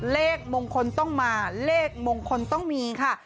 เลขมงคลต้องมาเลขมงคลต้องมีค่ะ